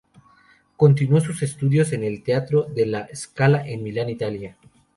Continuó sus estudios en el Teatro de La Scala en Milán, Italia.